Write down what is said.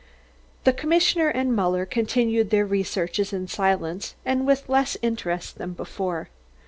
The commissioner and Muller continued their researches in silence and with less interest than before.